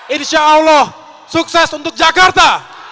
insya allah sukses untuk jakarta